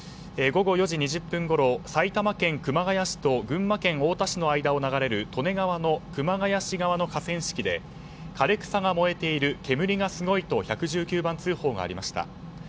午後４時２０分ごろ埼玉県熊谷市と群馬県太田市の間を流れる利根川の熊谷市側の河川敷で枯れ草が燃えている煙がすごいと１１９番通報がありました。